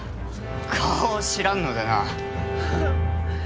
顔を知らんのでな。